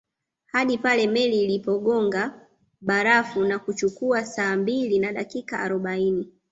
Hadi pale meli ilipogonga barafu na kuchukua saa mbili na dakika arobaini